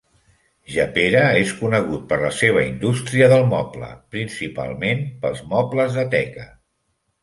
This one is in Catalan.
Jepera és conegut per la seva industria del moble, principalment pels mobles de teca.